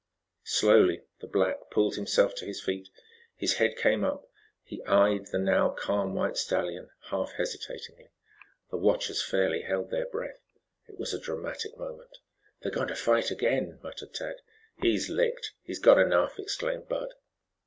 Slowly the black pulled himself to his feet. His head came up. He eyed the now calm white stallion half hesitatingly. The watchers fairly held their breath, for it was a dramatic moment. "They're going to fight again," muttered Tad. "He's licked! He's got enough!" exclaimed Bud.